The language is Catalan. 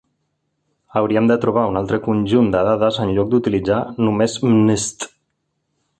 Hauríem de trobar un altre conjunt de dades en lloc d'utilitzar només mnist.